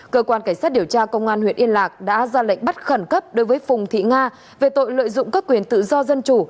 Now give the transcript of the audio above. cơ quan cảnh sát điều tra công an huyện yên lạc đã ra lệnh bắt khẩn cấp đối với phùng thị nga về tội lợi dụng các quyền tự do dân chủ